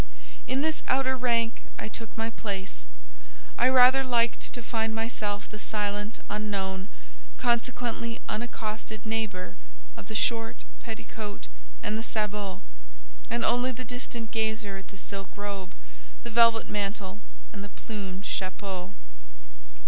In this outer rank I took my place. I rather liked to find myself the silent, unknown, consequently unaccosted neighbour of the short petticoat and the sabot; and only the distant gazer at the silk robe, the velvet mantle, and the plumed chapeau.